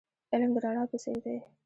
علم د رڼا په څیر دی .